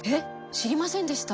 知りませんでした。